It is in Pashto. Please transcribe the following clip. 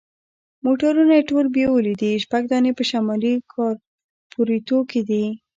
موټرونه یې ټول بیولي دي، شپږ دانې په شمالي کارپوریتو کې دي.